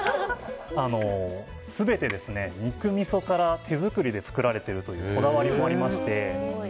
全て、肉みそから手作りで作られているというこだわりもありまして。